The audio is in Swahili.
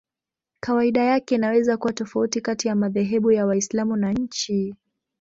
Kawaida yake inaweza kuwa tofauti kati ya madhehebu ya Waislamu na nchi.